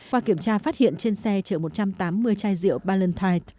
qua kiểm tra phát hiện trên xe trợ một trăm tám mươi chai rượu ballantyte